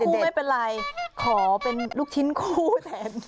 คู่ไม่เป็นไรขอเป็นลูกชิ้นคู่แทน